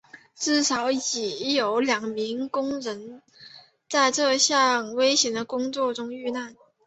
至少已有两名工人在这项危险的工作中遇难。